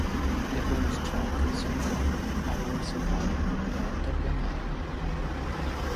Le bonus track sono i brani "I Will Survive" e "Hotter Than Hell".